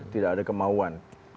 tidak ada kemauan